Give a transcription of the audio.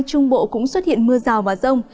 trung bộ cũng xuất hiện mưa rào và rông